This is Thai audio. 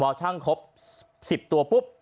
พอช่างครบ๑๐ตัวปุ๊บ